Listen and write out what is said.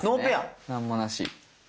何もなし。